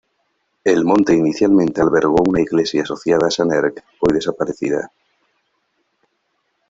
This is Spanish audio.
El monte inicialmente albergó una iglesia asociada a San Erc hoy desaparecida.